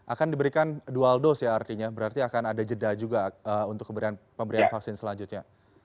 akan diberikan dualdos ya artinya berarti akan ada jeda juga untuk pemberian vaksin selanjutnya